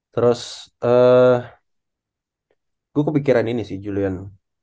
terus gue kepikiran ini sih julian